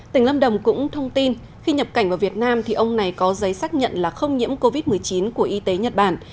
tỉnh lâm đồng cũng thông tin khi nhập cảnh vào việt nam thì ông này có giấy xác nhận là không nhiễm covid một mươi chín của y tế nhật bản